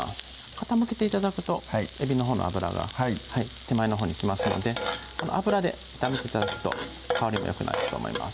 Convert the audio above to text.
傾けて頂くとえびのほうの油が手前のほうに来ますのでこの油で炒めて頂くと香りもよくなると思います